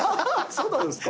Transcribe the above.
そうなんですか？